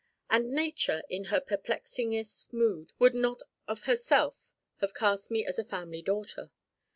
And Nature in her perplexingest mood would not of herself have cast me as a family daughter.